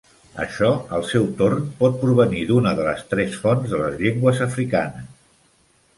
Això, al seu torn, pot provenir d'una de les tres fonts de les llengües africanes.